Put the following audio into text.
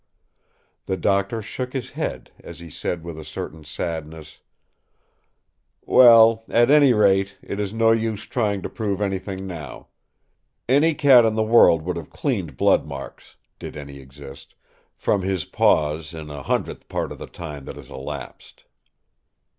The Doctor shook his head as he said with a certain sadness: "Well, at any rate it is no use trying to prove anything now. Any cat in the world would have cleaned blood marks—did any exist—from his paws in a hundredth part of the time that has elapsed."